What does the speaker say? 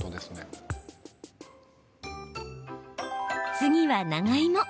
次は長芋。